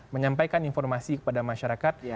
menyampaikan informasi kepada masyarakat